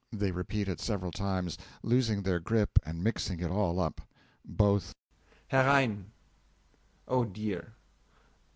(They repeat it several times, losing their grip and mixing it all up.) BOTH. Herein! Oh, dear!